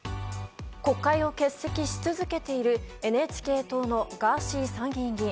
国会を欠席し続けているＮＨＫ党のガーシー参議院議員。